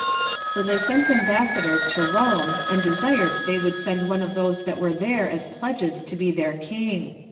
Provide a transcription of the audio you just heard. So they sent ambassadors to Rome, and desired they would send one of those that were there as pledges to be their king.